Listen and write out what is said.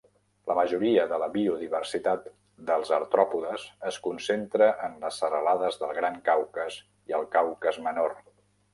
La majoria de la biodiversitat dels artròpodes es concentra en les serralades del Gran Caucas i el Caucas Menor.